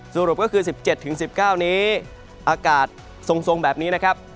สรุปก็คือสิบเจ็ดถึงสิบเก้านี้อากาศทรงทรงแบบนี้นะครับ